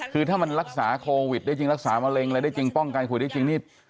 คือถ้ามันรักษาโควิดได้จริงรักษามะเร็งอะไรได้จริงป้องกันโควิดได้จริงนี่